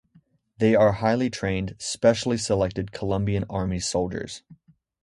They are highly trained, specially selected Colombian Army soldiers.